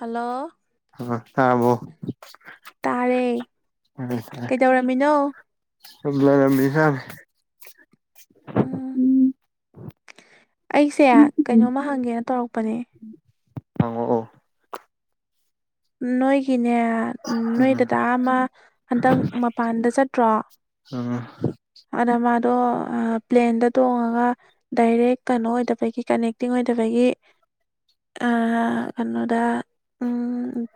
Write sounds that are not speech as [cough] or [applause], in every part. hello ꯊꯥꯕꯣ ꯇꯥꯔꯦ ꯀꯩꯗꯧꯔꯝꯃꯤꯅꯣ ꯁꯂꯔꯃꯤꯁꯃꯦ ꯎꯝ ꯑꯩꯁꯦ ꯀꯩꯅꯣꯝꯃ ꯍꯪꯒꯦꯅ ꯇꯧꯔꯛꯄꯅꯦ ꯍꯪꯉꯣ ꯑꯣ ꯅꯣꯏꯒꯤꯅꯦ ꯅꯣꯏ ꯎꯝ ꯗꯇꯥ ꯑꯃ ꯍꯟꯗꯛ ꯃꯄꯥꯟꯗ ꯆꯠꯇ꯭ꯔꯣ ꯑ ꯑꯗ ꯃꯥꯗꯣ ꯄ꯭ꯂꯦꯟꯗ ꯇꯣꯡꯉꯒ ꯗꯥꯏꯔꯦꯛ ꯀꯩꯅꯣ ꯑꯣꯏꯗꯕꯒꯤ ꯀꯅꯦꯛꯇꯤꯡ ꯑꯣꯏꯗꯕꯒꯤ ꯀꯩꯅꯣꯗ ꯎꯝ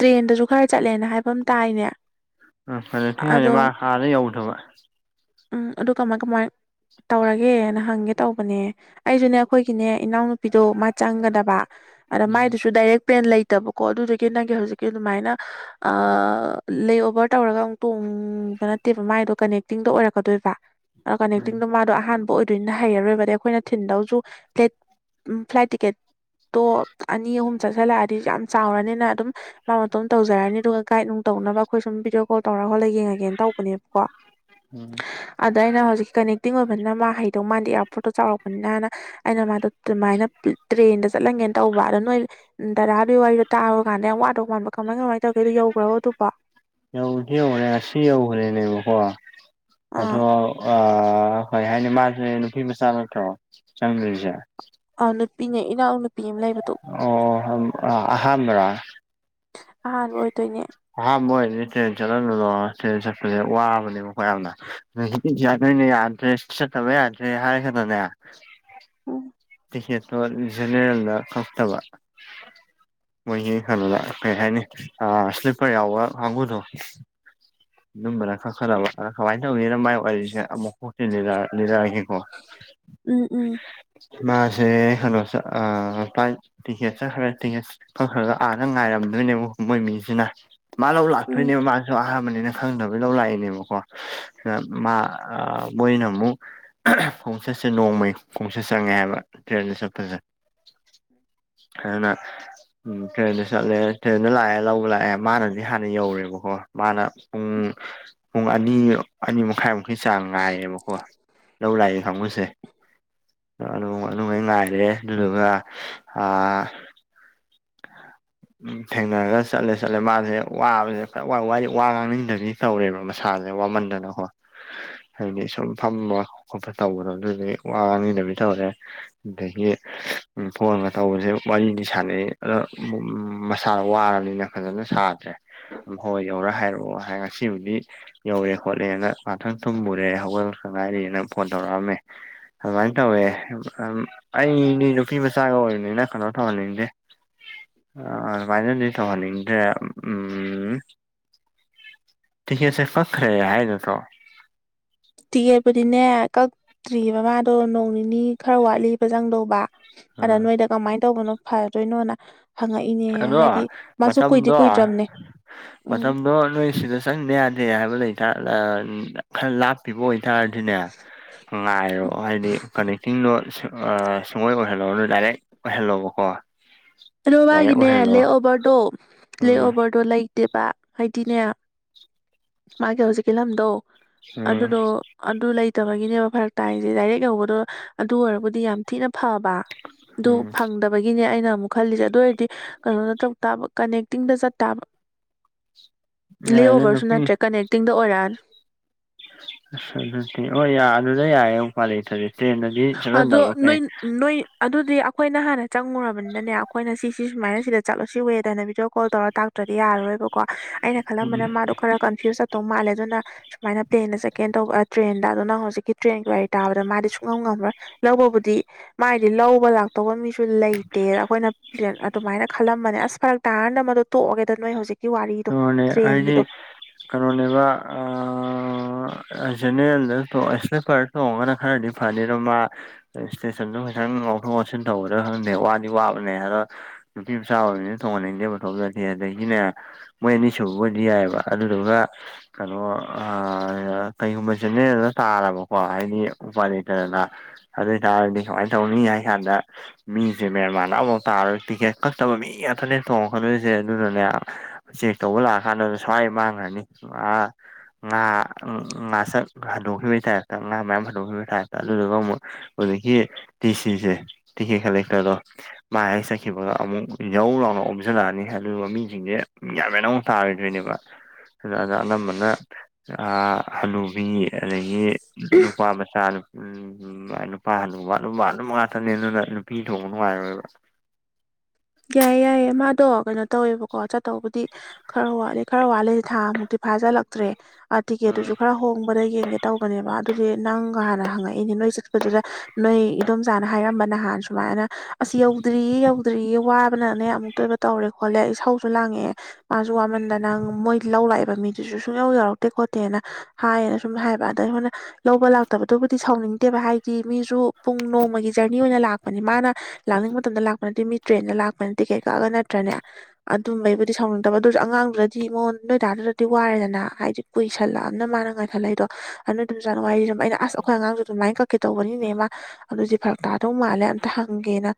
ꯇ꯭ꯔꯦꯟꯗꯁꯨ ꯈꯔ ꯆꯠꯂꯦꯅ ꯍꯥꯏꯕ ꯑꯃ ꯇꯥꯏꯅꯦ ꯎꯥ ꯐꯔꯦ ꯊ ꯍꯥꯏꯗꯤꯦ ꯑꯗꯣ ꯃꯥ ꯍꯥꯟꯅ ꯌꯧꯗꯕ ꯎꯝ ꯑꯗꯨ ꯀꯃꯥꯏ ꯀꯃꯥꯏ ꯇꯧꯔꯒꯦꯅ ꯍꯪꯒꯦ ꯇꯧꯕꯅꯦ ꯑꯩꯁꯨꯅꯦ ꯑꯩꯈꯣꯏꯒꯤꯅꯦ ꯏꯅꯥꯎꯅꯨꯄꯤꯗꯣ ꯃꯥ ꯆꯪꯒꯗꯕ ꯑꯗ ꯎꯝ ꯃꯥꯏꯗꯨꯁꯨ ꯗꯥꯏꯔꯦꯛ ꯄꯦꯟ ꯂꯩ ꯂꯩꯇꯕꯀꯣ ꯑꯗꯨꯗꯒꯤ ꯅꯪꯒꯤ ꯍꯧꯖꯤꯛꯀꯤ ꯑꯗꯨꯃꯥꯏꯅ ꯂꯦꯑꯣꯚꯔ ꯇꯧꯔꯒ ꯑꯃꯨꯛ ꯇꯣꯡꯕ ꯅꯠꯇꯦꯕ ꯃꯥꯏꯗꯣ ꯀꯅꯦꯛꯇꯤꯡꯗꯣ ꯑꯣꯏꯔꯛꯄ ꯀꯗꯣꯏꯕ ꯎꯝ ꯀꯅꯦꯛꯇꯤꯡꯗꯣ ꯃꯥꯗꯣ ꯑꯍꯥꯟꯕ ꯑꯣꯏꯗꯣꯏꯅ ꯍꯩꯔꯔꯣꯏꯕꯗꯤ ꯑꯩꯈꯣꯏꯅ ꯊꯤꯟꯗꯧꯁꯨ ꯐ꯭ꯂꯦꯠ ꯐ꯭ꯂꯥꯏꯠ ꯇꯤꯀꯦꯠꯇꯣ ꯑꯅꯤ ꯑꯍꯨꯝ ꯆꯠꯁꯤꯜꯂꯛꯑꯗꯤ ꯌꯥꯝ ꯆꯥꯎꯔꯅꯤꯅ ꯑꯗꯨꯝ ꯃꯥ ꯃꯇꯣꯝ ꯇꯧꯔꯅꯤ ꯑꯗꯨꯒ ꯒꯥꯏꯗ ꯅꯨꯡ ꯇꯧꯅꯕ ꯑꯩꯈꯣꯏ ꯁꯨꯝ ꯚꯗꯤꯑꯣ ꯀꯣꯜ ꯇꯧꯔꯒꯣꯠꯂ ꯌꯦꯡꯉꯒꯦꯅ ꯇꯧ ꯅꯦ ꯀꯣ ꯎꯝ ꯑꯗ ꯑꯩꯅ ꯍꯧꯖꯤꯛꯀꯤ ꯀꯅꯦꯛꯇꯤꯡ ꯑꯣꯏꯕꯅꯤꯅ ꯃꯥ ꯍꯩꯗꯧ ꯃꯥꯥꯟꯦ ꯏꯌꯥꯔꯄꯣꯔꯠꯇꯣ ꯆꯥꯎꯔꯛꯄꯅꯤꯅꯅ ꯑꯩꯅ ꯃꯥꯗꯣ ꯑꯗꯨꯃꯥꯏꯅ ꯇ꯭ꯔꯦꯟꯗ ꯆꯠꯂꯝꯒꯦꯅ ꯇꯧꯕ ꯑꯗꯣ ꯅꯣꯏ ꯎ ꯗꯥꯗꯨꯒꯤ ꯋꯥꯔꯤꯗꯣ ꯇꯔꯕ ꯀꯥꯟꯗ ꯌꯥꯝ ꯋꯥꯗꯧ ꯃꯥꯟꯕ ꯀꯃꯥꯏ ꯀꯃꯥꯏꯅ ꯇꯧꯒꯦꯗꯣ ꯌꯧꯈ꯭ꯔꯣ ꯑꯗꯨꯕꯣ ꯑꯦꯧꯗꯤ ꯑꯦꯧꯍꯔꯦ ꯉꯁꯤ ꯑꯦꯧꯍꯔꯦ ꯂꯩꯕꯀꯣ ꯑꯇꯣ ꯑꯥ [unintelligible] ꯑ ꯍꯣꯏ ꯍꯥꯏꯅꯤ ꯃꯥꯁꯅꯦ ꯅꯨꯄꯤ ꯃꯆꯥꯃꯛꯇ꯭ꯔꯣ ꯆꯪꯗꯣꯏꯁꯦ ꯑꯥ ꯅꯨꯄꯤꯅꯦ ꯏꯅꯥꯎ ꯅꯨꯄꯤ ꯑꯃ ꯂꯩꯕꯗꯣ ꯑꯣ ꯑꯍꯥꯟꯕꯔꯥ ꯑꯍꯥꯟ ꯑꯣꯏꯗꯣꯏꯅꯦ ꯑꯍꯥꯟꯕ ꯑꯣꯏꯔꯅꯤ ꯇ꯭ꯔꯦꯟ ꯆꯠꯍꯂꯨꯗꯣ ꯇ꯭ꯔꯦꯟ ꯆꯠꯄꯁꯦ ꯋꯥꯕꯅꯦꯕꯣꯏ ꯌꯥꯝꯅ ꯗꯤ ꯌꯥꯗꯣꯏꯅꯦ ꯌꯥꯗ꯭ꯔꯦ ꯆꯠꯇꯕ ꯌꯥꯗ꯭ꯔꯦ ꯍꯥꯏꯈꯗꯅꯦ ꯎꯝ ꯇꯤꯀꯦꯠꯇꯣ ꯖꯦꯅꯦꯔꯦꯜꯗ ꯀꯛꯇꯕ ꯃꯣꯏꯒꯤ ꯀꯩꯅꯣꯗ ꯀꯩ ꯍꯥꯏꯅꯤ ꯁ꯭ꯂꯤꯞꯄꯔ ꯌꯥꯎꯕ ꯀꯥꯡꯕꯨꯗꯣ ꯑꯗꯨꯝꯕꯔ ꯈ ꯈꯔ ꯈ ꯃꯥꯏ ꯋꯔꯤꯁꯦ ꯑꯃꯨꯛ ꯂꯤꯔꯛꯑꯥꯒꯦꯀꯣ ꯎꯝ ꯎꯝ ꯃꯥꯁꯦ ꯀꯩꯅꯣꯁ ꯇꯤꯀꯦꯠ ꯆꯠꯈ꯭ꯔꯦ ꯇꯤꯀꯦꯠ ꯈꯔ ꯈꯔꯒ ꯑꯥꯒ ꯉꯥꯏꯔꯝꯗꯣꯏꯅꯦꯕ ꯃꯣꯏ ꯃꯤꯁꯤꯅ ꯃꯥ ꯂꯧ ꯎꯝ ꯂꯥꯛꯇꯣꯏꯅꯦꯕ ꯃꯥꯁꯨ ꯑꯍꯥꯟꯕꯅꯤꯅ ꯈꯪꯗꯕꯩ ꯂꯧ ꯂꯥꯛꯏꯅꯦꯕꯀꯣ ꯃꯥ ꯃꯣꯏꯅ ꯑꯃꯨꯛ ꯈꯣꯡꯆꯠꯁꯦ ꯅꯣꯡꯃꯩ ꯈꯣꯡꯆꯠ ꯆꯪꯉꯦ ꯍꯥꯏꯕ ꯇ꯭ꯔꯦꯟꯁ ꯆꯠꯄꯁꯦ ꯑꯗꯨꯅ ꯎꯝ ꯇ꯭ꯔꯦꯟꯗ ꯆꯠꯂꯦ ꯇ꯭ꯔꯦꯟꯗ ꯂꯥꯛꯑꯦ ꯂꯧꯕ ꯂꯥꯛꯑꯦ ꯃꯥꯅꯗꯤ ꯍꯥꯟꯅ ꯌꯧꯔꯦꯕꯀꯣ ꯃꯥꯅ ꯄꯨꯡ ꯄꯨꯡ ꯑꯅꯤ ꯑꯅꯤ ꯃꯈꯥꯏꯃꯨꯛꯀꯤ ꯆꯥꯡ ꯉꯥꯏꯌꯦꯕꯀꯣ ꯂꯧ ꯂꯥꯛꯑ ꯈꯪꯕꯁꯦ ꯑꯗꯨ ꯑꯗꯨꯅꯨꯡꯉ ꯉꯥꯏꯔꯦ ꯑꯗꯨꯗꯨꯒ [unintelligible] [inaudible] ꯎꯝ ꯊꯦꯡꯅꯔꯒ ꯆꯠꯂꯦ ꯆꯠꯂꯦ ꯃꯥꯁꯦ ꯋꯥꯕꯁꯦ ꯈ ꯋꯥ ꯉꯥꯡꯅꯤꯡꯗꯕꯤ ꯇꯧꯔꯦꯕ ꯃꯁꯥꯁꯦ ꯋꯥꯃꯟꯗꯅꯀꯣ ꯍꯥꯏꯕꯗꯤ ꯁꯨꯝ ꯐꯝꯕ ꯈꯣꯠꯄ ꯇꯧꯕꯗꯣ ꯑꯗꯨꯗꯤ ꯋꯥ ꯉꯥꯡꯅꯤꯗꯕꯤ ꯇꯧꯔꯦ ꯗꯌꯦꯦ [unintelligible] ꯎ ꯐꯣꯟꯒ ꯇꯧꯕꯁꯦ ꯋꯥꯔꯤꯅꯤ ꯁꯥꯟꯅꯩ ꯑꯗꯣ ꯃꯁꯥꯗ ꯋꯥꯔꯕꯅꯤꯅ ꯐꯖꯅ ꯁꯥꯗ꯭ꯔꯦ ꯍꯣꯏ ꯌꯧꯔ ꯍꯥꯏꯔꯛꯑꯣ ꯍꯥꯏ ꯉꯁꯤꯕꯨꯗꯤ ꯌꯧꯔꯦ ꯈꯣꯠꯂꯦꯅ ꯉꯊꯪ ꯇꯨꯝꯃꯨꯔꯦ ꯍꯧꯒꯠꯂꯛꯛꯇ ꯉꯥꯏꯔꯤꯅ ꯐꯣꯟ ꯇꯧꯔꯛꯑꯝꯃꯦ ꯑꯗꯨꯃꯥꯏꯅ ꯇꯧꯋꯦ ꯑꯩꯗꯤ ꯅꯨꯄꯤ ꯃꯆꯥꯒ ꯑꯣꯏꯕꯅꯤꯅ ꯀꯩꯅꯣ ꯇꯧꯍꯟꯅꯤꯡꯗꯦ ꯑ ꯑꯗꯨꯃꯥꯏꯅꯗꯤ ꯇꯧꯍꯟꯅꯤꯡꯗ꯭ꯔꯦ ꯎꯝ ꯇꯤꯀꯦꯠꯁꯦ ꯀꯈ꯭ꯔꯦ ꯍꯥꯏ ꯅꯠꯇꯣ ꯇꯤꯀꯦꯠꯄꯨꯗꯤꯅꯦ ꯀꯛꯇ꯭ꯔꯤꯕꯑꯕ ꯃꯥꯗꯣ ꯅꯣꯡ ꯅꯤꯅꯤ ꯈꯔ ꯋꯥꯠꯂꯤꯕ ꯆꯪꯗꯧꯕ ꯑꯗ ꯎꯝ ꯅꯣꯏꯗ ꯀꯃꯥꯏꯅ ꯇꯧꯕꯅꯣ ꯐꯗꯣꯏꯅꯣꯅ ꯍꯪꯉꯛꯏꯅꯦ ꯑꯗꯣ ꯍꯥꯏꯗꯤ ꯃꯥꯁꯨ ꯀꯨꯏꯗꯤ ꯃꯇꯝꯗꯣ ꯀꯨꯏꯗ꯭ꯔꯕꯅꯦ ꯎꯝ ꯃꯇꯝꯗꯣ ꯅꯣꯏ ꯁꯤꯗ ꯆꯪꯗ ꯌꯥꯗꯦ ꯍꯥꯏꯕ ꯂꯩꯇꯔ ꯈꯔ ꯂꯥꯞꯄꯤꯕ ꯑꯣꯏꯇꯥꯔꯗꯤꯅꯦ ꯉꯥꯏꯔꯣ ꯍꯥꯏꯗꯤ ꯀꯅꯦꯛꯇꯤꯡꯗꯣ ꯁꯨꯡꯑꯣꯣꯏ ꯑꯣꯏꯍꯜꯂꯨꯔꯅ ꯗꯥꯏꯔꯦꯛ ꯍꯦꯜꯂꯣꯕꯀꯣ [unintelligible] ꯑꯂꯣ ꯃꯥꯒꯤꯅꯦ ꯂꯦꯛꯑꯣꯚꯔꯗꯣ ꯎꯝ ꯂꯦꯛꯑꯣꯚꯔꯗꯣ ꯂꯩꯇꯦꯕ ꯍꯥꯏꯗꯤꯅꯦ ꯃꯥꯒꯤ ꯍꯧꯖꯤꯛꯀꯤ ꯂꯝꯗꯣ ꯎꯝ ꯑꯗꯨꯗꯣ ꯑꯗꯨ ꯂꯩꯇꯕꯒꯤꯅꯦꯕ ꯐꯔꯛ ꯇꯥꯏꯁꯦ ꯗꯥꯏꯔꯦꯛ ꯌꯧꯕꯗꯣ ꯑꯗꯨ ꯑꯣꯏꯔꯕꯨꯗꯤ ꯌꯥꯝ ꯊꯤꯅ ꯐꯕ ꯑꯗꯨ ꯎꯝ ꯐꯪꯗꯕ ꯒꯤꯅꯦ ꯑꯩꯅ ꯑꯃꯨꯛ ꯈꯜꯂꯤꯁꯦ ꯑꯗꯨ ꯑꯣꯏꯔꯗꯤ ꯀꯩꯅꯣꯅ ꯇꯧ ꯇꯥꯕ ꯀꯅꯦꯛꯇꯤꯡꯗ ꯆꯠꯇꯥꯕ ꯌꯥꯏꯗ ꯂ꯭ꯂꯦꯑꯣꯚꯔꯁꯨ ꯅꯨꯄꯤ ꯅꯠꯇ꯭ꯔꯦ ꯀꯅꯦꯛꯇꯤꯡꯗ ꯑꯣꯏꯔꯛ ꯑ ꯑꯗꯨꯗꯤ ꯑꯣ ꯌꯥ ꯑꯗꯨꯗ ꯌꯥꯏꯌꯦ ꯑꯃꯨꯛ ꯄꯥ ꯂꯩꯗꯤ ꯇ꯭ꯔꯦꯟꯗꯗꯤ ꯆꯠꯍꯟꯗꯕ ꯑꯗꯣ ꯐꯩ ꯅꯣꯏ ꯅꯣꯏ ꯑꯗꯨꯗꯤ ꯑꯩꯈꯣꯏꯅ ꯍꯥꯟꯅ ꯆꯪꯉꯨꯔꯕꯅꯤꯅꯅꯦ ꯑꯩꯈꯣꯏꯅ ꯁꯤꯁꯤ ꯁꯨꯃꯥꯏꯅ ꯁꯤꯗ ꯆꯠꯂꯨꯁꯤ ꯍꯋꯦꯗꯅ ꯚꯗꯤꯑꯣ ꯀꯣꯜ ꯇꯧꯔꯒ ꯇꯥꯛ ꯭ꯔꯗꯤ ꯌꯥꯔꯔꯣꯏꯕꯀꯣ ꯑꯩꯅ ꯈꯜꯂꯝꯕꯅ ꯃꯥꯗꯣ ꯈꯔ ꯀꯟꯐ꯭ꯌꯨꯁ ꯆꯠꯇꯧ ꯃꯥꯜꯂꯦ ꯑꯗꯨꯅ ꯁꯨꯃꯥꯏꯅ ꯄ꯭ꯂꯦꯟꯗ ꯆꯠꯀꯦꯅ ꯇꯧꯕ ꯇ꯭ꯔꯦꯟꯗ ꯑꯗꯨꯅ ꯍꯧꯖꯤꯛꯀꯤ ꯇ꯭ꯔꯦꯟꯒꯤ ꯋꯥꯔꯤ ꯇꯥꯕꯗ ꯃꯥꯗꯤ ꯉ ꯉꯝꯃ꯭ꯔꯣꯏ ꯂꯧꯕꯕꯨꯗꯤ ꯃꯥꯥꯏꯗꯤ ꯂꯧꯕ ꯂꯥꯛꯇꯧꯕ ꯃꯤꯁꯨ ꯁꯨ ꯂꯩꯇꯦ ꯑꯩꯈꯣꯏꯅ꯭ꯂ ꯑꯗꯨꯃꯥꯏꯅ ꯈꯜꯂꯝꯕꯅꯦ ꯑꯁ ꯐꯔꯛ ꯇꯥꯔꯥꯟꯅ ꯃꯗꯨꯣ ꯇꯣꯛꯑꯒꯦꯗꯣ ꯅꯣꯏ ꯍꯧꯖꯤꯛ ꯋꯥꯔꯤꯗꯣ ꯎꯝ ꯑꯗꯨꯅꯦ ꯍꯥꯏꯗꯤ ꯇ꯭ꯔꯦꯟꯒꯤꯗꯣ ꯀꯩꯅꯣꯅꯦꯕ ꯖꯦꯅꯦꯔꯦꯜꯗ ꯇꯣꯡꯉ ꯏꯁꯤꯂꯤꯄꯔ ꯇꯣꯡꯉꯗꯤ ꯈꯔꯗꯤ ꯐꯅꯤ ꯃꯥ ꯏꯁꯇꯦꯁꯟꯗ ꯈꯤꯇꯪ ꯉꯥꯎꯊꯣꯛ ꯉꯥꯎꯁꯤꯟ ꯇꯧꯒꯗꯔꯗꯤ ꯈꯪꯗꯦ ꯋꯥꯗꯤ ꯋꯥꯕꯅꯦ ꯑꯗꯣ ꯅꯨꯄꯤ ꯃꯆꯥ ꯑꯣꯏꯕꯅꯤꯅ ꯇꯣꯡꯍꯟꯅꯤꯡꯗꯦ ꯃꯇꯣꯝꯗꯗꯤ ꯑꯗꯒꯤꯅꯦ ꯃꯣꯏ ꯑꯅꯤꯁꯨꯕꯣꯏꯗꯤ ꯌꯥꯏꯕ ꯑꯗꯨꯗꯨꯒ ꯑꯗꯣ ꯑꯥ ꯀꯩꯒꯨꯝꯕ ꯖꯦꯅꯦꯔꯦꯜꯗ ꯇꯥꯔꯕꯀꯣ ꯍꯥꯏꯗꯤ ꯎꯄꯥꯏ ꯂꯩꯇꯗꯅ ꯑꯗꯨ ꯑꯣꯏꯇꯥꯔꯗꯤ ꯀꯨꯃꯥꯏꯅ ꯇꯧꯅꯤ ꯍꯥꯏꯕ ꯀꯥꯟꯗ ꯃꯤꯁꯦ ꯃꯦꯟꯃꯥꯟꯅ ꯑꯃꯐꯥꯎ ꯇꯥꯔꯣꯏ ꯇꯤꯛꯀꯦꯠ ꯀꯛꯇꯕ ꯃꯤ ꯉꯛꯇꯅꯦ ꯇꯣꯡꯉꯛꯀꯗꯣꯏꯁꯦ ꯑꯗꯨꯅꯅꯦ ꯆꯦꯛ ꯇꯧꯕ ꯂꯥꯛꯑ ꯀꯥꯟꯗꯗ ꯁ꯭ꯋꯥꯏ ꯃꯥꯡꯈ꯭ꯔꯅꯤ ꯑꯥ ꯉꯥ ꯉꯥꯁꯛ ꯍꯟꯗꯣꯛꯈꯤꯕꯒꯤ ꯇꯥꯔꯛꯇ ꯉꯥ ꯃꯌꯥꯝ ꯍꯟꯗꯣꯛꯈꯤꯕꯒꯤ ꯇꯥꯏꯞꯇ ꯑꯗꯨꯗꯨꯒ ꯑꯃꯨꯛ ꯍꯧꯖꯤꯛꯀꯤ ꯇꯤꯁꯤꯁꯦ ꯇꯤꯀꯦꯠ ꯀꯔꯦꯛꯇꯔꯗꯣ ꯃꯥ ꯍꯦꯛ ꯆꯠꯈꯤꯕꯒ ꯑꯃꯨꯛ ꯖꯧ ꯂꯥꯎꯅ ꯑꯣꯝꯁꯤꯜꯂꯛꯑꯅꯤ ꯑꯗꯨꯒ ꯃꯤꯁꯤꯡꯁꯦ ꯌꯥꯝꯃꯦ ꯑꯃꯃꯨꯛ ꯇꯥꯔꯣꯏꯗꯣꯏꯅꯦꯕ ꯑꯗꯨꯗ ꯑꯅꯝꯕꯅ ꯑꯥ ꯍꯅꯨꯕꯤ ꯑꯗꯒꯤ ꯅꯨꯄꯥ ꯃꯆꯥꯅ ꯎꯝ ꯅꯨꯄꯥ ꯍꯟꯗꯕ ꯑꯗꯨꯝ ꯑꯗꯨꯝꯕ ꯉꯥꯛꯇꯅꯦ ꯑꯗꯨꯅ ꯅꯨꯄꯤ ꯇꯣꯡꯕ ꯅꯨꯡꯉꯥꯏꯔꯣꯏꯕ ꯌꯥꯏꯌꯦ ꯌꯥꯏꯌꯦ ꯃꯥꯗꯣ ꯀꯩꯅꯣ ꯇꯧꯋꯦꯕꯀꯣ ꯆꯥꯠꯇꯧꯕꯗꯤ ꯈꯔ ꯋꯥꯠꯂꯤ ꯈꯔ ꯋꯥꯠꯂꯤ ꯊꯥ ꯃꯨꯛꯇꯤ ꯐꯥꯖꯤꯜꯂꯛꯇ꯭ꯔꯦ ꯇꯤꯛꯀꯦꯠꯇꯨꯁꯨ ꯎꯝ ꯈꯔ ꯍꯣꯡꯕꯗ ꯌꯦꯡꯒꯦ ꯇꯧꯕꯅꯦꯕ ꯑꯗꯨꯗꯤ ꯅꯪꯒ ꯍꯥꯟꯅ ꯍꯪꯉꯛꯏꯅꯦ ꯅꯣꯏ ꯆꯠꯄꯗꯨꯗ ꯅꯣꯏ ꯏꯗꯣꯝꯆꯥꯅ ꯍꯥꯏꯔꯝꯕ ꯅꯍꯥꯟ ꯁꯨꯃꯥꯏꯅ ꯇꯧ ꯑꯁ ꯌꯧꯗ꯭ꯔꯤꯌꯦ ꯌꯧꯗ꯭ꯔꯤꯌꯦ ꯋꯥꯕꯅꯅꯦ ꯑꯃꯨꯛꯇ ꯑꯣꯏꯕ ꯇꯧꯔꯦ ꯈꯣꯠꯂꯦ ꯏꯁꯧꯖꯨ ꯂꯥꯡꯉꯛꯑꯦ ꯃꯥꯖꯨ ꯋꯥꯃꯟꯗꯅ ꯃꯣꯏ ꯂꯧ ꯂꯥꯛꯏꯕ ꯃꯤꯗꯨꯁꯨ ꯁꯨꯡꯌꯧ ꯌꯧꯔꯛꯇꯦ ꯈꯣꯠꯇꯦꯅ ꯍꯥꯏꯌꯦꯅ ꯁꯨꯝ ꯍꯥꯏꯕ ꯑꯗ ꯑꯩꯈꯣꯏꯅ ꯂꯧꯕ ꯂꯥꯛꯇꯕꯗꯨꯕꯨꯗꯤ ꯁꯥꯎꯅꯤꯡꯗꯦꯕ ꯍꯥꯏꯗꯤ ꯃꯤꯖꯨ ꯄꯨꯡ ꯅꯣꯡꯃꯒꯤ ꯖꯔꯅꯤ ꯑꯣꯏꯅ ꯂꯥꯛꯄꯅꯤ ꯃꯥꯅ ꯂꯥꯛꯅꯤꯡꯕ ꯃꯇꯝꯗ ꯂꯥꯛꯄ ꯅꯠꯇꯦ ꯃꯤꯖꯨ ꯇ꯭ꯔꯦꯟꯗ ꯂꯥꯛꯄꯅ ꯇꯤꯛꯀꯦꯠ ꯀꯛꯑꯒ ꯅꯠꯇ꯭ꯔꯅꯦ ꯑꯗꯨꯝꯕꯩꯕꯨꯗꯤ ꯁꯥꯎꯅꯤꯡꯗꯕ ꯑꯗꯨꯁꯨ ꯑꯉꯥꯡꯗꯨꯅꯗꯤ ꯃꯉꯣꯟ ꯅꯣꯏꯗꯥꯗꯨꯗꯗꯤ ꯋꯥꯔꯦꯗꯅ ꯍꯥꯏꯗꯤ ꯀꯨꯏꯁꯜꯂꯛꯑꯕꯅ ꯃꯥꯅ ꯉꯥꯏꯈꯠꯂꯛꯏꯗꯣ ꯑꯗꯨ ꯏꯗꯣꯝ ꯆꯥꯅ ꯋꯥꯔꯤ ꯂꯤꯔꯝꯕ ꯑꯁ ꯑꯩꯈꯣꯏ ꯑꯉꯥꯡꯁꯨ ꯑꯗꯨꯃꯥꯏꯅ ꯀꯛꯀꯦ ꯇꯧꯕꯅꯤꯅꯦ ꯃꯥꯃ ꯑꯗꯨꯗꯤ ꯐꯔꯛ ꯇꯥꯗꯧ ꯃꯥꯜꯂꯦ ꯑꯝꯇ ꯍꯪꯒꯦꯅ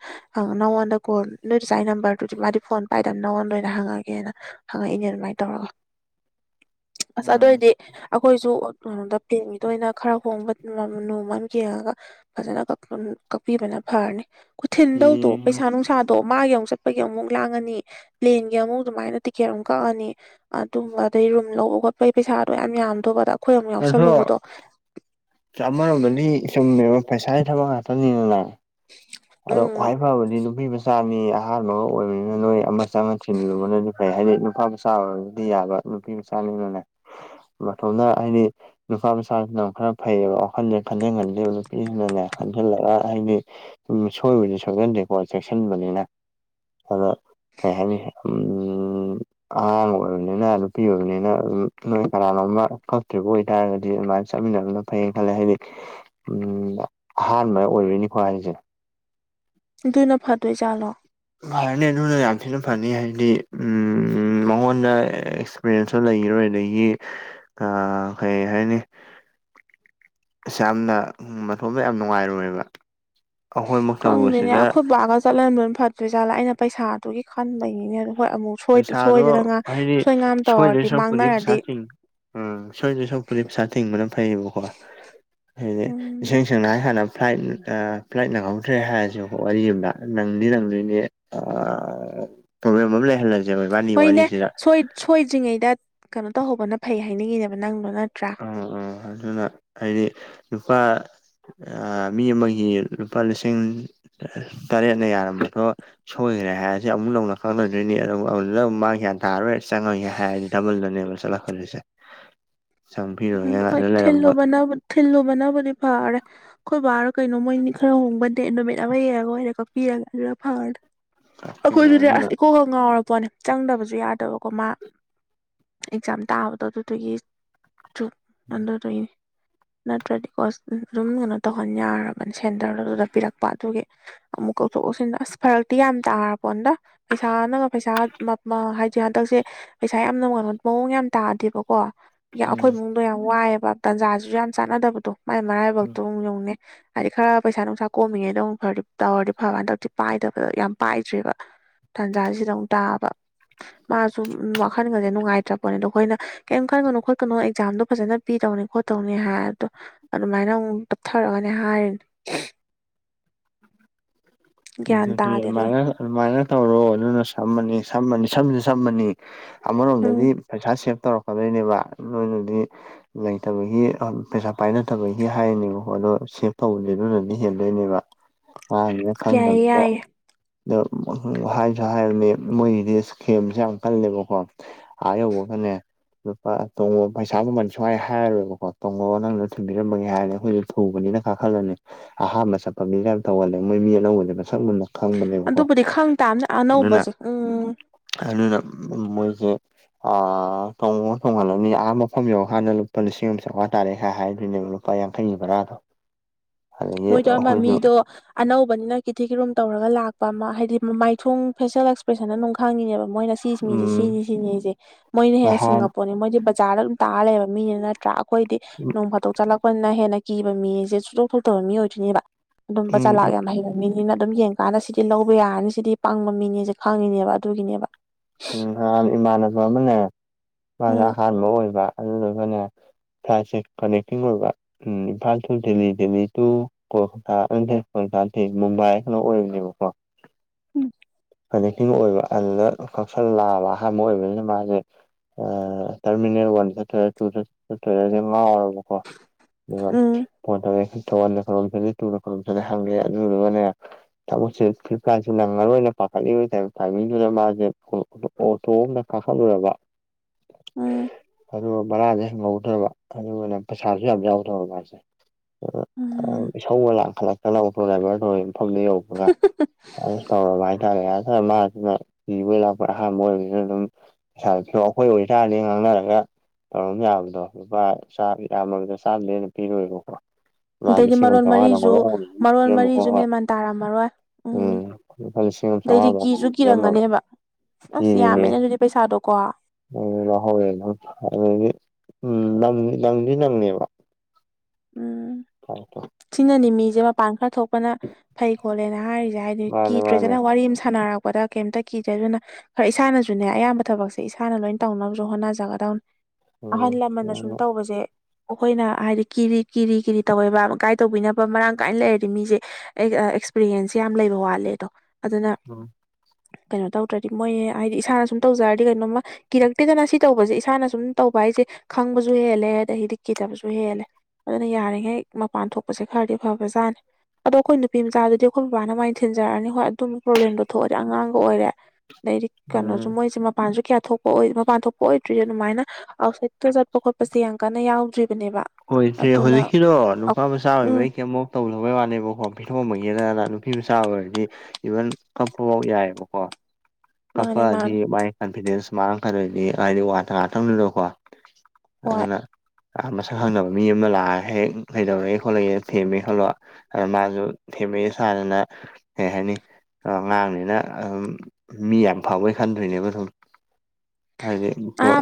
ꯅꯉꯣꯟꯗ ꯀꯣꯜ ꯅꯣꯏ ꯏꯗꯣꯝꯆꯥ ꯅꯝꯕꯔꯗꯨꯗꯤ ꯃꯥꯗꯤ ꯐꯣꯟ ꯄꯥꯏꯗꯕ ꯅꯉꯣꯟꯗ ꯑꯣꯏꯅ ꯍꯪꯉꯒꯦꯅ ꯍꯪꯉꯛꯏꯅꯦ ꯑꯗꯨꯃꯥꯏꯅ ꯇꯧꯔꯒ ꯑꯁ ꯎꯝ ꯑꯗꯣꯏꯗꯤ ꯑꯩꯈꯣꯏꯁꯨ [unintelligible] ꯑꯣꯏꯅ ꯈꯔ ꯍꯣꯡꯕ ꯅꯣꯡꯃ ꯑꯃ ꯌꯦꯡꯉꯒ ꯐꯖꯅ ꯀꯛꯄꯤꯕꯅ ꯐꯥꯔꯅꯤ ꯊꯤꯟꯗꯣꯏꯗꯣ ꯌꯦꯡꯉꯣ ꯄꯩꯁꯥ ꯅꯨꯡꯁꯥ ꯁꯥꯗꯣ ꯃꯥꯒꯤ ꯑꯃꯨꯛ ꯆꯠꯄꯒꯤ ꯑꯃꯨꯛ ꯂꯥꯡꯉꯅꯤ ꯄ꯭ꯂꯦꯟꯒꯤ ꯑꯃꯨꯛ ꯑꯗꯨꯃꯥꯏꯅ ꯇꯤꯛꯀꯦꯠ ꯑꯃꯨꯛ ꯀꯛꯑꯅꯤ ꯑꯗꯨꯝꯕ ꯑꯗꯩ ꯔꯨꯝ ꯂꯧꯕ ꯈꯣꯠꯄꯒꯤ ꯄꯩꯁꯥꯗꯣ ꯌꯥꯝ ꯌꯥꯝꯗꯧꯕ ꯑꯗꯣ ꯑꯁ ꯑꯃꯂꯣꯝꯗꯤ ꯆꯨꯝꯃꯦꯕ ꯄꯩꯁꯥꯒꯤ ꯊꯕꯛ ꯉꯥꯛꯇꯅꯤꯅ [unintelligible] ꯑꯗꯣ ꯈ꯭ꯋꯥꯏ ꯐꯕꯗꯤ ꯅꯨꯄꯤ ꯃꯆꯥ ꯃꯤ ꯑꯍꯥꯟꯕꯒ ꯑꯣꯏꯕꯅꯤꯅ ꯅꯣꯏ ꯑꯃ ꯆꯪꯉꯟ ꯊꯜꯂꯨꯕꯅꯗꯤ ꯐꯩ ꯍꯥꯏꯗꯤ ꯅꯨꯄꯥ ꯃꯆꯥ ꯑꯣꯏꯔꯕꯨꯗꯤ ꯌꯥꯕ ꯅꯨꯄꯤ ꯃꯆꯥꯅꯤꯅꯅꯦ ꯃꯇꯣꯝꯇ ꯍꯥꯏꯗꯤ ꯅꯨꯄꯥ ꯃꯆꯥꯁꯤꯅ ꯈꯔ ꯐꯩꯌꯦꯕ ꯋꯥꯈꯜꯁꯦ ꯈꯟꯖꯟ ꯈꯟꯗꯦꯕ ꯅꯨꯄꯤꯖꯤꯅꯅꯦ ꯈꯟꯖꯤꯜꯂꯒ ꯍꯥꯏꯗꯤ ꯁꯣꯏꯕꯗꯤ ꯁꯣꯏꯒꯟꯗꯦꯀꯣ ꯆꯦꯛꯁꯤꯟꯕꯅꯤꯅ ꯑꯗꯣ ꯀꯩ ꯍꯥꯏꯅꯤ ꯎꯝ ꯑꯉꯥꯡ ꯑꯣꯏꯕꯅꯤꯅ ꯅꯨꯄꯤ ꯑꯣꯏꯕꯅꯤꯅ ꯑꯗꯨꯝ ꯅꯣꯏ ꯀꯅꯅꯣꯝꯃ ꯀꯛꯇ꯭ꯔꯤꯕ ꯑꯣꯏꯇꯥꯔꯒꯗꯤ ꯑꯗꯨꯃꯥꯏ ꯆꯠꯃꯤꯟꯅꯕꯅ ꯐꯩꯌꯦꯅ ꯈꯜꯂꯦ ꯍꯥꯏꯗꯤ ꯎꯝ ꯑꯍꯥꯟꯕ ꯑꯣꯏꯕꯅꯤꯀꯣ ꯍꯥꯏꯁꯦ ꯑꯗꯨꯅ ꯐꯗꯣꯏ ꯆꯥꯠꯂꯣ ꯐꯔꯅꯤ ꯑꯗꯨꯅ ꯌꯥꯝ ꯊꯤꯅ ꯐꯅꯤ ꯍꯥꯏꯗꯤ ꯎꯝ ꯃꯉꯣꯟꯗ ꯑꯦꯛꯁꯄꯤꯔꯤꯌꯦꯟꯁꯁꯨ ꯂꯩꯈꯔꯣꯏ ꯑꯗꯒꯤ ꯑ ꯀꯩ ꯍꯥꯏꯅꯤ ꯀꯩꯁꯨ ꯌꯥꯝꯅ ꯃꯊꯣꯟꯗ ꯌꯥꯝ ꯅꯨꯡꯉꯥꯏꯔꯣꯏꯕ ꯑꯩꯈꯣꯏꯃꯛꯇꯕꯨ ꯈꯪꯗꯦꯅꯦ ꯁꯤꯗ ꯑꯩꯈꯣꯏ ꯕꯥꯒ ꯆꯠꯍꯟꯕꯅ ꯐꯗꯣꯏꯖꯥꯠꯂꯥ ꯑꯩꯅ ꯄꯩꯁꯥꯗꯨꯒꯤ ꯈꯟꯕꯩꯅꯤꯅꯦ ꯍꯣꯏ ꯑꯃꯨꯛ ꯄꯩꯁꯥꯗꯣ ꯁꯣꯏꯗꯅ ꯍꯥꯏꯗꯤ ꯁꯣꯏ ꯉꯥꯝ ꯁꯣꯏꯗꯣꯏ ꯇꯧꯔꯗꯤ ꯁꯔꯨꯛꯄꯨꯗꯤ ꯄꯩꯁꯥ ꯃꯥꯡꯅꯔꯗꯤ ꯆꯤꯡꯉ ꯎꯝ ꯁꯣꯏꯗꯣꯏ ꯁꯔꯨꯛꯄꯨꯗꯤ ꯄꯩꯁꯥ ꯊꯤꯡꯕꯅ ꯐꯩꯌꯦꯕꯀꯣ ꯍꯥꯏꯗꯤ ꯎꯝ ꯏꯁ ꯁꯦꯡꯅ ꯍꯥꯏ ꯀꯥꯟꯗ ꯐ꯭ꯂꯥꯏꯠ ꯐ꯭ꯂꯥꯏꯠ ꯅꯪꯍꯧꯗꯔꯦ ꯍꯥꯏꯔꯖꯤꯀꫭ ꯋꯥꯔꯤ ꯑꯝꯗ ꯅꯪꯗꯤ ꯅꯪꯗꫭꯏꯅꯦ ꯑ ꯄ꯭ꯔꯣꯕ꯭ꯂꯦꯝ ꯑꯃ ꯂꯩꯍꯜꯂꯖꯦ ꯍꯣꯏꯅꯦ ꯁꯣꯏ ꯁꫭꯏꯗ꯭ꯔꯤꯉꯩꯗ ꯀꯩꯅꯣ ꯇꯧꯍꯧꯕꯅ ꯐꯩ ꯍꯥꯏꯅꯤꯡꯉꯤꯅꯦꯕ ꯅꯪꯗꯣ ꯅꯠꯇ꯭ꯔꯥ ꯑꯣ ꯑꯣ ꯑꯗꯨꯅ ꯍꯥꯏꯗꯤ ꯅꯨꯄꯥ ꯑ ꯃꯤ ꯑꯃꯒꯤ ꯂꯨꯄꯥ ꯂꯤꯁꯤꯡ ꯇꯔꯦꯠꯅ ꯌꯥꯔꯝꯕꯗꯣ ꯁꯣꯏꯈ꯭ꯔꯦ ꯍꯥꯏꯔꯁꯦ ꯑꯃꯨꯛ ꯅꯧꯅ ꯈꯪꯅꯗꯣꯏꯅꯤ ꯑꯗꯨ ꯑꯗꯨ ꯃꯥ ꯒꯌꯥꯟ ꯇꯥꯔꯣꯏ ꯆꯪꯉꯒꯦ ꯍꯥꯏꯔꯗꯤ ꯗꯕꯜꯗꯅꯦꯕ ꯆꯂꯛꯀ ꯗꫭꯏꯁꯦ ꯎꯝ ꯍꯣꯏ ꯂꯩꯔꯝꯕ ꯊꯤꯜꯂꯨꯚꯅ ꯊꯤꯜꯂꯨꯕꯅꯥꯕꯨꯗꯤ ꯐꯥꯔꯦ ꯑꯩꯈꯣꯏ ꯕꯥꯔꯣ ꯀꯩꯅꯣ ꯃꯣꯏꯅꯤ ꯈꯔ ꯍꯣꯡꯕꯗꯦ ꯅꯨꯃꯤꯠ ꯑꯃ ꯌꯦꯡꯉꯒ ꯑꫭꯏꯅ ꯀꯛꯄꯤꯔꯒꯦ ꯑꯗꯨꯅ ꯐꯔꯥ ꯑꯩꯈꯣꯏꯗꯨꯗꯤ ꯑꯗꯨꯅ ꯑꯁ ꯏꯀꯣꯛꯀ ꯉꯥꯎꯔꯄꯣꯠꯅꯦ ꯆꯪꯗꯕꯁꯨ ꯌꯥꯗꯕꯀꯣ ꯃꯥ ꯑꯦꯛꯖꯥꯝ ꯇꯥꯕꯗꯣ ꯑꯗꯨꯗꯨꯒꯤ ꯖꯨ ꯎꯝ ꯑꯗꯨꯗꯨꯒꯤꯅꯦ ꯅꯠꯇ꯭ꯔꯗꯤꯀꯣ ꯑꯗꯨꯝ ꯀꯩꯅꯣ ꯇꯧꯍꯟ ꯌꯥꯔꯕꯅꯤ ꯁꯦꯟꯇꯔ ꯑꯗꯨꯗ ꯄꯤꯔꯛꯄ ꯑꯗꯨꯒꯤ ꯑꯃꯨꯛ ꯀꯧꯊꯣꯛꯀꯧꯁꯤꯟꯗꫭ ꯑꯁ ꯐꯔꯛꯇꯤ ꯌꯥꯝ ꯇꯥꯔꯄꫭꯠꯅꯤꯗ ꯄꯩꯁꯥ ꯅꯪ ꯄꯩꯁꯥ ꯃꯝꯃ ꯍꯥꯏꯗꯤ ꯍꯟꯗꯛꯁꯦ ꯄꯩꯁꯥ ꯌꯥꯝ ꯅꯨꯡꯉꯕ ꯃꯑꯣꯡ ꯌꯥꯝ ꯇꯥꯗꯦꯕꯀꯣ ꯌꯥ ꯑꯩꯈꯣꯏ ꯎꯝ ꯃꯨꯡ ꯗꯣ ꯌꯥꯝ ꯋꯥꯏꯑꯦꯕ ꯇꯟꯖꯥꯖꯤꯖꯨ ꯌꯥꯝ ꯆꯥꯟꯅꯗꯕꯗꯣ ꯃꯥꯏ ꯃꯔꯥꯏꯕꯛꯇꯣ ꯑꯃꯨꯛ ꯌꯦꯡꯉꯨꯅꯦ ꯍꯥꯏꯗꯤ ꯈꯔ ꯄꯩꯁꯥ ꯅꯨꯡꯁꯥ ꯀꯣꯝꯃꯤꯉꯩꯗꯣ ꯑꯃꯨꯛ ꯐꯔꯗꯤ ꯇꯧꯔꯗꯤ ꯐꯕꯅ ꯍꯟꯗꯛꯇꯤ ꯄꯥꯏꯗꯕꯗ ꯌꯥꯝ ꯄꯥꯏꯗ꯭ꯔꯦꯕ ꯇꯟꯖꯥꯖꯤꯗ ꯑꯃꯨꯛ ꯇꯥꯕ ꯃꯥꯁꯨ ꯋꯥꯈꯟꯒꯖꯦ ꯅꯨꯡꯉꯥꯏꯇ꯭ꯔꯄꫭꯠꯅꯤ ꯑꯗꯨ ꯑꯩꯈꯣꯏꯅ ꯀꯩꯝ ꯈꯟꯒꯅꯣ ꯈ ꯀꯅꯣ ꯑꯦꯛꯖꯥꯝꯗꯣ ꯐꯖꯅ ꯄꯤ ꯗꯧꯅꯤ ꯈꯣꯠꯇꯧꯅꯤ ꯍꯥꯏꯕꯗꯣ ꯑꯗꯨꯃꯥꯏꯅ ꯑꯃꯨꯛ ꯇꯞꯊꯔꯒꯅꯦ ꯍꯥꯏꯔꯤꯅꯦ ꯒ꯭ꯌꯥꯟ ꯑꯗꯨꯗꯤ ꯇꯥꯗꯦ ꯑꯗꯨꯅ ꯑꯗꯨꯃꯥꯏꯅ ꯑꯗꯨꯃꯥꯏꯅ ꯇꯧꯔꯣ ꯑꯗꯨꯅ ꯁꯝꯃꯅꯤ ꯁꯃꯅꯤ ꯁꯝꯁꯨ ꯁꯝꯃꯅꯤ ꯎꯝ ꯑꯃꯔꯣꯝꯗꯗꯤ ꯄꯩꯁꯥ ꯁꯦꯚ ꯇꯧꯔꯛꯀꯗꯣꯏꯅꯦꯕ ꯅꯣꯏꯅꯗꯤ ꯂꯩꯇꯕꯒꯤ ꯄꯩꯁꯥ ꯄꯥꯏꯅꯗꯕꯒꯤ ꯍꯥꯏꯔꯅꯦꯕꯀꯣ ꯑꯗꯣ ꯁꯦꯞ ꯇꯧꯕꯗꯤ ꯑꯗꯨꯅꯗꯤ ꯍꯦꯟꯗꯣꯏꯅꯦꯕ ꯄꯥꯔꯤꯔ ꯌꯥꯏꯌꯦ ꯈꯪꯗꯕꯗꯨꯗ ꯌꯥꯏꯌꯦ ꯑꯗꫭ ꯍꯥꯏꯁꯨ ꯍꯥꯏꯕꯅꯦ ꯃꯣꯏꯒꯤꯗꯤ ꯏꯁꯀꯦꯝꯁꯦ ꯌꯥꯝ ꯀꯜꯂꯦꯕꯀꯣ ꯑꯥ ꯌꯧꯕꯒꯅꯦ ꯂꯨꯄꯥ ꯇꯣꯡꯉꯣ ꯄꯩꯁꯥ ꯃꯃꯟ ꯁꯨꯡꯍꯥꯏ ꯍꯥꯏꯔꯣꯏꯕꯀꯣ ꯇꯣꯡꯉꯣ ꯅꯪꯅ ꯊꯤꯟꯕꯤꯔꯝꯕꯒꯦ ꯍꯥꯏꯔꯦ ꯑꯩꯈꯣꯏꯖꯨ ꯊꯨꯕꯅꯤꯅ ꯀꯥꯈꯠꯂꯅꯤ ꯑꯍꯥꯟꯕ ꯆꯠꯄ ꯃꯤꯅ ꯌꯥꯝ ꯇꯧꯍꯜꯂꯦ ꯃꯣꯏ ꯃꯤ ꯑꯅꯧꯕꯅꯦ ꯃꯁꯛꯂꯨꯅ ꯑꯗꯨꯕꯨꯗꯤ ꯈꯪ ꯇꯥꯕꯅꯦ ꯑꯅꯧꯕꯁꯦ ꯎꯝ ꯑꯗꯨꯅ ꯃꯣꯏꯖꯦ ꯑ ꯇꯣꯡꯉ ꯊꯣꯡꯍꯜꯂꯅꯤ ꯑꯥ ꯃꯐꯝ ꯌꯧ ꯀꯥꯟꯅ ꯂꯨꯄꯥ ꯂꯤꯁꯤꯡ ꯑꯃ ꯆꯥꯉꯥ ꯇꯥꯔꯦ ꯍꯥꯏ ꯍꯥꯏꯗꯣꯏꯅꯦꯕ ꯂꯨꯄꯥ ꯌꯥꯡꯈꯩꯒꯤ ꯕꯔꯥꯗꯣ ꯃꯣꯏꯗꫭ ꯑꯃ ꯃꯤꯗꯣ ꯑꯅꯧꯕꯅꯤꯅ ꯀꯤꯊꯤ ꯀꯤ ꯔꯨꯝ ꯇꯧꯔꯒ ꯂꯥꯛꯄ ꯑꯃ ꯍꯥꯏꯗꯤ ꯃꯥꯏꯊꯣꯡ ꯐꯦꯁꯤꯦꯜ ꯑꯦꯛꯁꯄ꯭ꯔꯦꯁꯟꯅ ꯅꯨꯡ ꯈꯪꯉꯤꯅꯦꯕ ꯃꯣꯏꯅ ꯃꯤꯁꯤ ꯃꯤꯁꯦ ꯎꯝ ꯁꯤꯅꯤ ꯁꯤꯅꯤꯖꯦ ꯃꯣꯏꯅ ꯍꯦꯟꯅ ꯅꯍꯥꯟ ꯁꯤꯡꯉꯛꯄꯣꯠꯅꯦ ꯃꯣꯏꯗꯤ ꯕꯖꯥꯔꯗ ꯑꯗꯨꯝ ꯇꯥꯔ ꯂꯩꯕ ꯃꯤꯅꯤꯅꯠꯇ ꯅꯠꯇ꯭ꯔꯥ ꯑꯩꯈꯣꯏꯗꯤ ꯅꯣꯡ ꯐꯥꯇꯣꯛ ꯆꯠꯂꯛꯄꯅꯤꯅ ꯍꯦꯟꯅ ꯀꯤꯕ ꯃꯤꯁꯦ ꯁꯨꯡꯇꯣꯛ ꯊꯣꯛꯇꯕ ꯃꯤ ꯑꯣꯏꯗꯣꯏꯅꯦꯕ ꯑꯗꯨꯝꯕ ꯆꯂꯥꯛ ꯌꯥꯝ ꯍꯩꯅ ꯃꯤꯅꯤꯅ ꯑꯗꯨꯝ ꯌꯦꯡꯀꯥꯟꯗ ꯁꯤꯗꯤ ꯂꯧꯕ ꯌꯥꯔꯅꯤ ꯁꯤꯗꯤ ꯄꯪꯕ ꯃꯤꯅꯦꯖꯦ ꯈꯪꯉꯤꯅꯦꯕ ꯑꯗꯨꯒꯤꯅꯦꯕ ꯅꯍꯥꯟ ꯏꯃꯥꯟꯅꯕ ꯑꯃꯅꯦ ꯃꯥ ꯎꯝ ꯑꯍꯥꯟꯕ ꯑꯣꯏꯕ ꯑꯗꯨꯗꯨꯒꯅꯦ ꯊꯥꯁꯦ ꯀꯅꯦꯛꯇꯤꯡ ꯑꯣꯏꯕ ꯎꯝ ꯏꯝꯐꯥꯜ ꯇꯨ ꯗꯦꯜꯂꯤ ꯗꯦꯜꯂꯤ ꯇꯨ ꯀꯣꯜꯀꯇꯥ ꯅꯠꯇꯦ ꯀꯣꯜꯀꯇꯥ ꯅꯠꯇꯦ ꯃꯨꯝꯕꯥꯏꯔ ꯀꯩꯅꫭꯝ ꯑꯣꯏꯕꯅꯦꯕꯀꯣ ꯎꯝ ꯀꯥꯅꯦꯛꯀꯤ ꯑꯣꯏꯕ ꯑꯗꯨꯗ ꯀꯛꯁꯜ ꯂꯥꯑꯕ ꯑꯍꯥꯟꯕ ꯑꯣꯏꯕꯅꯤꯅ ꯃꯥꯁꯦ ꯑ ꯇꯔꯃꯤꯅꯦꯜ ꯋꯥꯟ ꯆꯠꯇꫭꯏꯔ ꯇꯨꯗ ꯆꯠꯇꫭꯏꯔꯖꯦ ꯉꯥꯎꯔꯕ ꯀꫭ ꯑꯗꯨꯒ ꯐꯣꯟ ꯇꯧꯔꯛꯑꯦ ꯋꯥꯟꯅ ꯐꯒꯅꯤ ꯇꯨꯅ ꯐꯒꯗꯔ ꯍꯪꯉꯦ ꯑꯗꯨꯗꯨꯒꯅꯦ ꯊꯕꯛꯁꯦ ꯐꯂꯤꯞꯀꯥꯔꯠꯁꯦ ꯅꯪꯉꯔꯣꯏꯅ ꯄꯥꯈꯠꯂꯤꯕꯩ ꯇꯥꯏ ꯇꯥꯏꯃꯤꯡꯗꯨꯗ ꯃꯥꯖꯦ ꯑꯣ ꯑꯣꯇꯣ ꯑꯝꯗ ꯀꯥꯈꯠꯂꯨꯔꯕ ꯎꯝ ꯑꯗꯨꯒ ꯕꯔꯥꯖꯦ ꯍꯪꯍꯧꯗ꯭ꯔꯕ ꯑꯗꯨꯒꯅꯦ ꯄꯩꯁꯥꯁꯨ ꯌꯥꯝ ꯌꯥꯎꯗ꯭ꯔꯕ ꯃꯥꯁꯦ ꯎꯝ ꯏꯁꯧꯒ ꯂꯥꯡꯈꯠꯂꯛꯇꯅ ꯑꯣꯇꯣ ꯗ꯭ꯔꯥꯏꯚꯔꯗꯣ ꯃꯐꯝꯗꯣ ꯌꯧꯕꯒ ꯇꯧꯔꯕ ꯍꯥꯏꯇꯥꯔꯦ ꯑ ꯁꯥꯔ ꯃꯥꯁꯤꯅ ꯀꯤꯕꯣꯏ ꯂꯥꯛꯄꯣꯏ ꯑꯍꯥꯟꯕ ꯑꯣꯏꯕꯅꯤꯅ ꯑꯗꯨꯝ ꯄꯩꯁꯥꯁꯨ ꯑꯩꯈꯣꯏ ꯑꯣꯏꯇꯥꯥꯔꯗꯤ ꯉꯥꯡꯅꯔꯒ ꯇꯧꯔꯝ ꯌꯥꯕꯗꯣ ꯂꯨꯄꯥ ꯆꯥꯝ ꯌꯥꯝꯃꯕꯗ ꯆꯥꯝꯃꯥꯗꯩ ꯍꯦꯟꯅ ꯄꯤꯔꯣꯏꯕꯀꯣ ꯃꯥ ꯑꯗꯩꯗꯤ ꯂꯤꯁꯤꯡ ꯑꯃ ꯃꯔꯣꯜ ꯆꯥꯝꯃꯉꯥꯗ ꯃꯔꯤꯖꯨ ꯉꯧꯔꯣꯛ ꯉꯧꯅ ꯑꯗꯨꯝ ꯃꯔꯣꯜ ꯄꯤꯔꯝꯕꯀꯣ ꯃꯔꯤꯁꯨ ꯍꯣꯏ ꯃꯦꯟꯃꯥꯟ ꯇꯥꯔꯝꯃꯔꯣꯏ ꯎꯝ ꯂꯨꯄꯥ ꯂꯤꯁꯤꯡ ꯑꯃ ꯑꯗꯩꯗꯤ ꯀꯤꯁꯨ ꯆꯥꯝꯃꯉꯥꯃꯨꯛ ꯄꯤꯔꯝꯃꯕ ꯀꯤꯔꯝꯒꯅꯦꯕ ꯑꯁ ꯌꯥꯝꯃꯦꯅꯦ ꯑꯗꯨꯗꯤ ꯄꯩꯁꯥꯗꯣꯀꯣ ꯎꯝ ꯂꯍꯧꯋꯦ ꯅꯪ ꯑꯗꯒꯤ ꯎꯝ ꯅꯪ ꯅꯪꯗꯤ ꯅꯪꯅꯦꯕ ꯎꯝ [unintelligible] ꯁꯤꯅꯅꯤ ꯃꯤꯖꯦ ꯃꯄꯥꯟ ꯈꯔ ꯊꯣꯛꯄꯅ ꯐꯩ ꯈꯣꯠꯂꯦꯅ ꯍꯥꯏꯔꯤꯖꯦ ꯍꯥꯏ ꯃꯥꯅꯦ ꯃꯥꯅꯦ ꯀꯤꯗ꯭ꯔꯦꯗꯅ ꯋꯥꯔꯤ ꯑꯃ ꯁꯥꯟꯅꯔꯛꯄꯗ ꯀꯩꯝꯇ ꯀꯤꯗ꯭ꯔꯦ ꯑꯗꯨꯅ ꯈꯔ ꯏꯁꯥꯅꯁꯨꯅꯦ ꯑꯌꯥꯝꯕ ꯊꯕꯛꯁꯦ ꯏꯁꯥꯅ ꯂꯣꯏꯅ ꯇꯧꯅꯕꯁꯨ ꯍꯣꯠꯅꯖꯒꯗꯧꯅꯦ ꯑꯍꯜ ꯎꯝ ꯂꯃꯟꯅ ꯁꯨꯝ ꯎꯝ ꯇꯧꯕꯁꯦ ꯑꯩꯈꯣꯏꯅ ꯍꯥꯏꯗꯤ ꯀꯤꯔꯤ ꯀꯤꯔꯤ ꯀꯤꯔꯤ ꯇꯧꯋꯦꯕ ꯒꯥꯏꯠ ꯇꯧꯕꯤꯅꯕ ꯃꯔꯥꯡ ꯀꯥꯏꯅ ꯂꯩꯔꯗꯤ ꯃꯤꯖꯦ ꯑꯦꯛꯁꯄꯤꯔꯤꯌꯦꯟꯁꯁꯦ ꯌꯥꯝ ꯂꯩꯕ ꯋꯥꯠꯂꯦꯗꯣ ꯑꯗꯨꯅ ꯎꯝ ꯀꯩꯅꯣ ꯇꯧꯗ꯭ꯔꯗꯤ ꯃꯣꯏ ꯍꯥꯏꯗꯤ ꯏꯁꯥꯅ ꯁꯨꯝ ꯇꯧꯖꯔꯗꯤ ꯀꯩꯅꯣꯝꯃ ꯀꯤꯔꯛꯇꯦꯗꯅ ꯁꯤ ꯇꯧꯕꯖꯦ ꯏꯁꯥꯅ ꯁꯨꯝ ꯇꯧꯕ ꯍꯥꯏꯖꯦ ꯈꯪꯕꯁꯨ ꯍꯦꯜꯂꯦ ꯑꯗꯒꯤꯗꯤ ꯀꯤꯊꯕꯁꯨ ꯍꯦꯜꯂꯦ ꯑꯗꯨꯅ ꯌꯥꯔꯤꯈꯩ ꯃꯄꯥꯟ ꯊꯣꯛꯄꯁꯦ ꯈꯔꯗꯤ ꯐꯕꯖꯥꯠꯅꯤ ꯑꯗꯣ ꯑꯩꯈꯣꯏ ꯅꯨꯄꯤ ꯃꯆꯥꯗꯨꯗꯤ ꯑꯩꯈꯣꯏ ꯕꯕꯥꯅ ꯃꯥꯏꯅ ꯊꯤꯟꯖꯔꯅꯤ ꯍꯣꯏ ꯑꯗꯨꯝꯕ ꯄ꯭ꯔꯣꯕ꯭ꯂꯦꯝꯗꯣ ꯊꯣꯛꯑꯗꯤ ꯑꯉꯥꯡꯒ ꯑꯣꯏꯔꯦ ꯑꯗꯩꯗꯤ ꯎꯝ ꯀꯩꯅꯣꯖꯨ ꯃꯣꯏꯖꯦ ꯃꯄꯥꯟꯖꯨ ꯀꯌꯥ ꯊꯣꯛꯄ ꯃꯄꯥꯟ ꯊꯣꯛꯄ ꯑꯣꯏꯗ꯭ꯔꯤ ꯑꯗꯨꯃꯥꯏꯅ ꯑꯥꯎꯠꯁꯥꯏꯠ ꯇ ꯆꯠꯄ ꯈꯣꯠꯄꯁꯦ ꯌꯥꯝ ꯀꯟꯅ ꯌꯥꯎꯗ꯭ꯔꯤꯕꯅꯦꯕ ꯍꯣꯏ ꯏꯆꯦ ꯑꯗꯨꯅ ꯍꯧꯖꯤꯛꯀꯤꯗꯣ ꯅꯨꯄꯥ ꯃꯆꯥ ꯎꯝ ꯑꯣꯏꯕꯩ ꯀꯩꯃꯨꯛ ꯇꯧꯗꯕꯩ ꯋꯥꯅꯦꯕꯀꯣ ꯄꯤꯊꯣꯃꯒꯤꯗꯅ ꯅꯨꯄꯤ ꯃꯆꯥ ꯑꯣꯏꯔꯗꯤ ꯏꯚꯟ ꯀꯞꯄꯕꯣꯛ ꯌꯥꯏꯕꯀꯣ ꯃꯥꯅꯦ ꯀꯞꯄꯛꯑꯗꯤ ꯃꯥꯅꯦ ꯃꯥꯏ ꯀꯟꯐꯤꯗꯦꯟꯁ ꯃꯥꯡꯉꯛꯀꯗꯣꯏꯅꯤ ꯍꯥꯏꯗꯤ ꯋꯥꯗ ꯉꯥꯇꯪꯗꯨꯗꯀꯣ ꯍꯣꯏ ꯑꯗꯨꯅ ꯑ ꯃꯁꯛ ꯈꯪꯗꯕ ꯃꯤ ꯑꯃ ꯂꯥꯛꯑꯒ ꯍꯦꯛ ꯀꯩꯗꯧꯔꯒꯦ ꯈꯣꯠꯂꯒꯦ ꯊꯦꯝꯃꯦ ꯈꯜꯂꯣ ꯑ ꯃꯥꯖꯨ ꯊꯦꯝꯃꯦ ꯁꯥꯗꯅ ꯀꯩ ꯍꯥꯏꯅꯤ ꯑꯉꯥꯡꯅꯤꯅ [unintelligible] ꯃꯤ ꯌꯥꯝ ꯐꯕꯩ ꯈꯟꯗꯣꯏꯅꯦꯕ ꯗꯨꯝ ꯍꯥꯏꯗꯤ ꯕꯣ ꯑꯍꯥꯟ